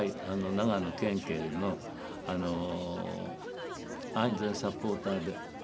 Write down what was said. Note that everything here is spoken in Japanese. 長野県警のあの安全サポーターでこれあの。